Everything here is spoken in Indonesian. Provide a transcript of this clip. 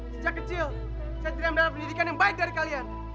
sejak kecil saya tidak mendapat pendidikan yang baik dari kalian